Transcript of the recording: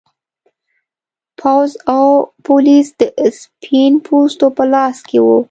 پوځ او پولیس د سپین پوستو په لاس کې و.